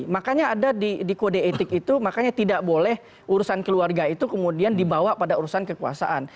makanya ada di kode etik itu makanya tidak boleh urusan keluarga itu kemudian dibawa pada urusan kekuasaan